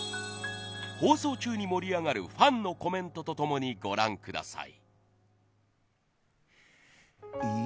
放送中に盛り上がるファンのコメントとともにご覧ください。